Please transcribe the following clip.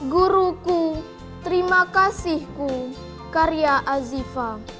guruku terima kasihku karya azifa